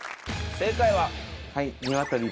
正解は。